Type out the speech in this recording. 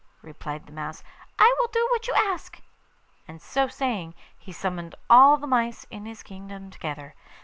replied the mouse; 'I will do what you ask.' And, so saying, he summoned all the mice in his kingdom together.